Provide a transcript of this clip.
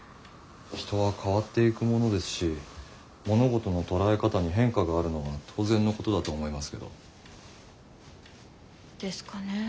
人は変わっていくものですし物事の捉え方に変化があるのは当然のことだと思いますけど。ですかねぇ。